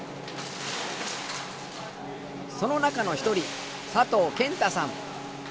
その中の一人佐藤健太さん。